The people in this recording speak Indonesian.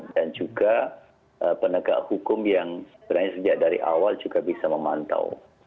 juga penegak hukum yang sebenarnya sejak dari awal juga bisa memantau